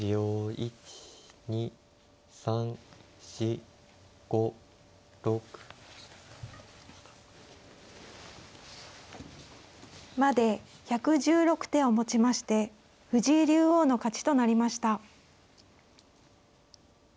１２３４５６。まで１１６手をもちまして藤井竜王の勝ちとなりました。